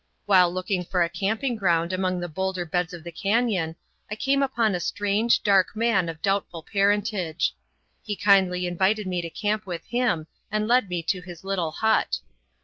While looking for a camping ground among the boulder beds of the cañon, I came upon a strange, dark man of doubtful parentage. He kindly invited me to camp with him, and led me to his little hut.